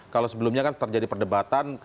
kalau sebelumnya kan terjadi perdebatan